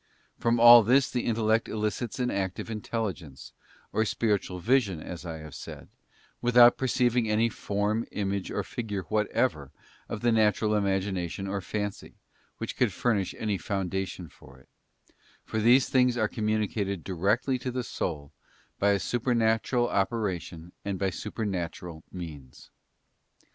From all this the intellect elicits an act of intelligence or spiritual vision, as I have said, without perceiving any form, image, or figure whatever of the natural imagination or fancy, which could furnish any foundation for it: for these things are communicated directly to the soul by a super natural operation and by supernatural means.